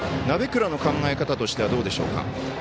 鍋倉の考え方としてはどうでしょうか。